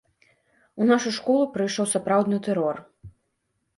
У нашу школу прыйшоў сапраўдны тэрор.